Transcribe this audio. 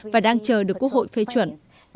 và đang chờ được quốc hội phê chuẩn